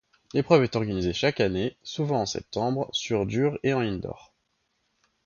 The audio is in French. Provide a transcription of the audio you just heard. L'épreuve est organisée chaque année, souvent en septembre, sur dur et en indoor.